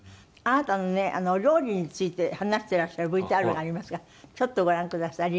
あなたのねお料理について話していらっしゃるＶＴＲがありますがちょっとご覧ください。